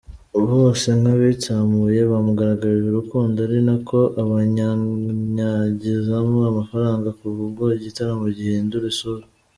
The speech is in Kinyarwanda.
Bose nk’abitsamuye bamugaragarije urukundo ari nako abanyanyagizamo amafaranga, kuva ubwo igitaramo gihindura isura.